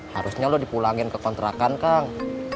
harusnya lo dipulangin ke kontrakan kang